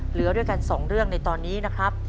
เหลือด้วยกัน๒เรื่องในตอนนี้นะครับ